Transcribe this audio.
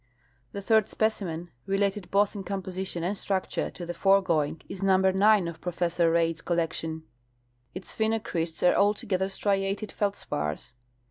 The third specimen, related both in composition and structure to the foregoing, is number 9 of Professor Reid's collection. Its phenocrysts are altogether striated feldspars.